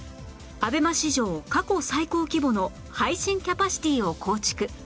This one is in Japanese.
ＡＢＥＭＡ 史上過去最高規模の配信キャパシティを構築